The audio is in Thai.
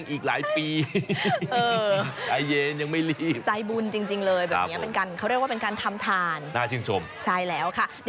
อีกหลายปีใจเย็นยังไม่รีบใจบุญจริงเลยแบบนี้เป็นการเขาเรียกว่าเป็นการทำทานน่าชื่นชมใช่แล้วค่ะ